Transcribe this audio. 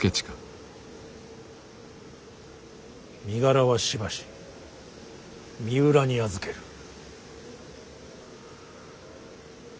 身柄はしばし三浦に預ける。